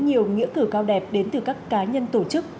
nhiều nghĩa cử cao đẹp đến từ các cá nhân tổ chức